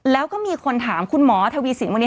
แล้วก็มีคนถามคุณหมอทวีสินวันนี้